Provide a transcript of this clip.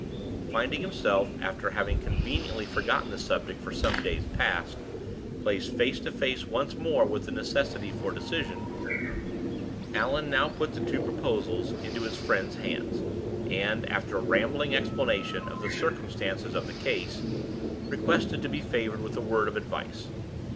Finding himself, after having conveniently forgotten the subject for some days past, placed face to face once more with the necessity for decision, Allan now put the two proposals into his friend's hands, and, after a rambling explanation of the circumstances of the case, requested to be favored with a word of advice.